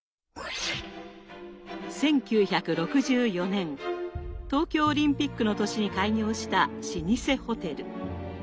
１９６４年東京オリンピックの年に開業した老舗ホテル。